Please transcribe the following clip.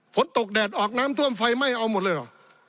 ฝนตกแดดออกน้ำท่วมไฟไหม้เอาหมดเลยเหรอ